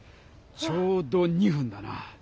ちょうど２分だな。